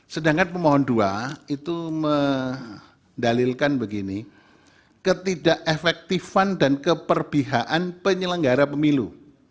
sedangkan pemohon dua itu mendalilkan begini ketidak efektifan dan keperbihaan penyelenggara pemilu